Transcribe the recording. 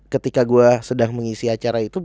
ketika gue sedang mengisi acara itu